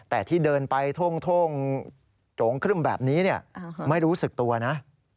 แต่ที่เดินไปท่งโจงครึ่มแบบนี้ไม่รู้สึกตัวนะ